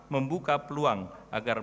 membuka peluang agar